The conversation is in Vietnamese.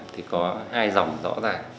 thì có hai dòng rõ ràng